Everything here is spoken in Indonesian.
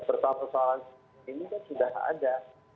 persoalan persoalan ini kan sudah ada